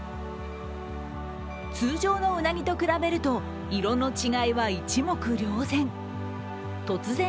通常のうなぎと比べると、色の違いは一目瞭然。